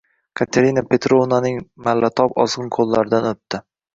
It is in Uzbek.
Katerina Petrovnaning mallatob ozgʻin qoʻllaridan oʻpdi.